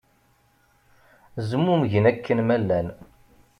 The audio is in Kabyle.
Zmumgen akken ma llan.